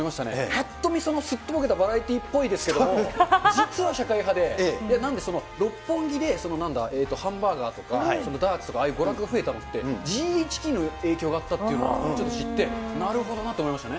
ぱっと見、すっとぼけたバラエティーぽいですけれども、実は社会派で、なんでその六本木で、ハンバーガーとか、ダーツとかああいう娯楽が増えたのって、ＧＨＱの影響があったからっていうのをちょっと知って、なるほどなと思いましたね。